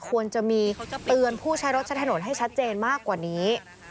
ควรจะมีเตือนผู้ใช้รถใช้ถนนให้ชัดเจนมากกว่านี้